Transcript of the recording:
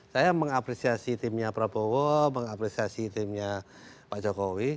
karena mengapresiasi timnya prabowo mengapresiasi timnya pak jokowi